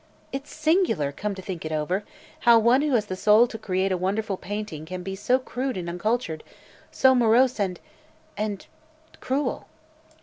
It's singular, come to think it over, how one who has the soul to create a wonderful painting can be so crude and uncultured, so morose and and cruel."